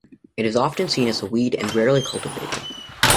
It is often seen as a weed and rarely cultivated.